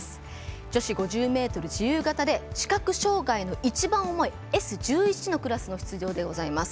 女子５０ｍ自由形で視覚障がいの一番重いＳ１１の出場でございます。